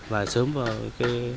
và sớm vào cái